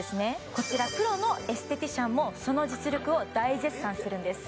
こちらプロのエステティシャンもその実力を大絶賛しているんです